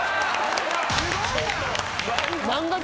・すごいな！